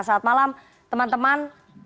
selamat malam teman teman